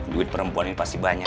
duit perempuan ini pasti banyak